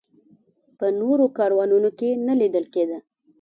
په نورو کاروانونو کې نه لیدل کېده.